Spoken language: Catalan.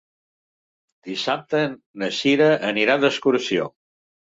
Dissabte na Sira anirà d'excursió.